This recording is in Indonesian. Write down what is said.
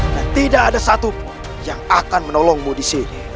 dan tidak ada satupun yang akan menolongmu disini